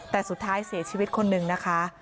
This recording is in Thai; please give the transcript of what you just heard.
แต่สุดท้ายเสียชีวิตคนนึงนะคะ